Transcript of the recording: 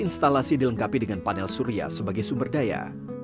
instalasi dilengkapi dengan panel surya sebagai sumber daya